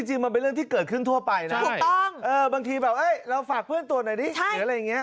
จริงมันเป็นเรื่องที่เกิดขึ้นทั่วไปนะถูกต้องบางทีแบบเราฝากเพื่อนตรวจหน่อยดิหรืออะไรอย่างนี้